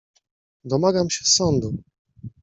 Domagam się sądu!